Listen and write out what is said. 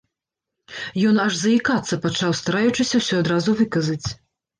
Ён аж заікацца пачаў, стараючыся ўсё адразу выказаць.